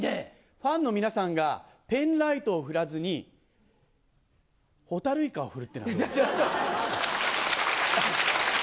ファンの皆さんがペンライトを振らずに、ホタルイカを振るっていうのはどうですか？